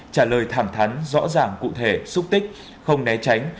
trả lời thẳng thắn rõ ràng cụ thể xúc tích không né tránh